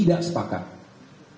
lebih baik bersepakat untuk menyesuaikan